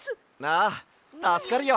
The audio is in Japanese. ああたすかるよ。